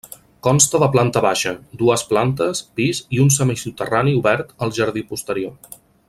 Consta de planta baixa, dues plantes pis i un semisoterrani obert al jardí posterior.